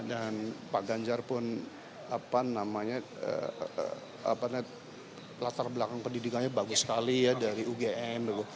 dan pak ganjar pun apa namanya latar belakang pendidikannya bagus sekali ya dari ugm